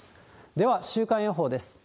では週間予報です。